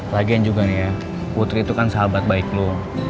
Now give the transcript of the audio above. lagian juga nih ya putri itu kan sahabat baik lo